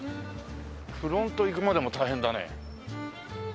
フロント行くまでも大変だね。